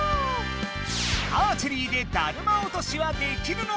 アーチェリーでだるま落としはできるのか？